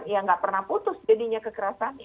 tapi mereka tidak pernah putus jadinya kekerasannya